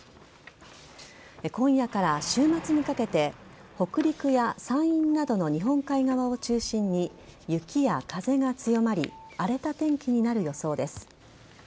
今夜から週末にかけて北陸や山陰などの日本海側を中心に雪や風が強まり荒れた天気になる予想です。